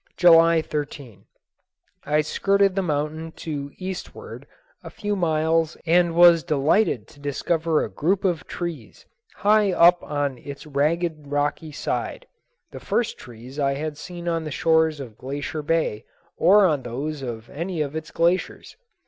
July 13. I skirted the mountain to eastward a few miles and was delighted to discover a group of trees high up on its ragged rocky side, the first trees I had seen on the shores of Glacier Bay or on those of any of its glaciers.